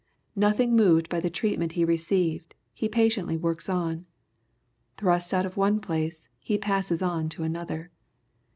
Nothing moved hy the treatment He received, He patiently works on. Thrust out of one place, He passes on to another.